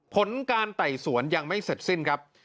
ผลการไต่สวนยังไม่เสร็จสิ้นครับ